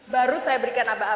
baru saya berikan abang abangnya